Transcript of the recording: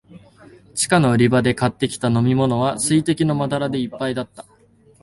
地下の売り場で買ってきた飲みものは、水滴のまだらでいっぱいだった。